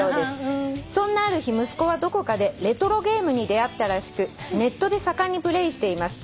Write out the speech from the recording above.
「そんなある日息子はどこかでレトロゲームに出合ったらしくネットで盛んにプレーしています」